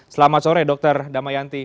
selamat sore dr damayanti